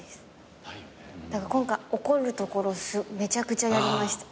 だから今回怒るところめちゃくちゃやりました。